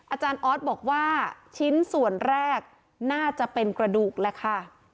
อาจารย์ออสบอกว่าชิ้นส่วนแรกน่าจะเป็นกระดูกแหละค่ะ